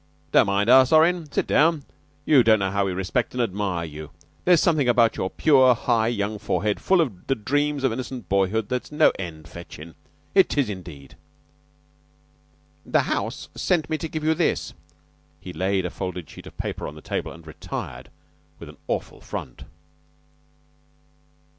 "Don't mind us, Orrin; sit down. You don't know how we respect and admire you. There's something about your pure, high young forehead, full of the dreams of innocent boyhood, that's no end fetchin'. It is, indeed." "The house sent me to give you this." He laid a folded sheet of paper on the table and retired with an awful front.